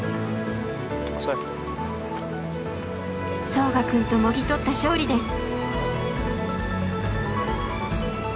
ソウガくんともぎ取った勝利です。